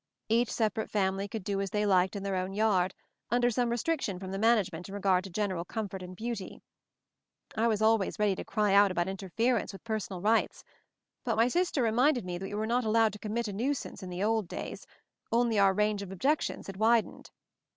Each separate family could do as they liked in their own yard, under some restriction from the management in regard to general comfort and beauty. I was al ways ready to cry out about interference with personal rights ; but my sister reminded me that we were not allowed to "commit a nuisance" in the old days, only our range of objections had widened.